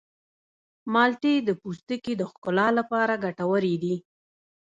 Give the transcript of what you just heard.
مالټې د پوستکي د ښکلا لپاره ګټورې دي.